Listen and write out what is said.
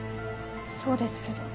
そうですけど。